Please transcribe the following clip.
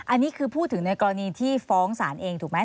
อันนี้คือพูดถึงในกรณีที่ฟ้องศาลเองถูกไหม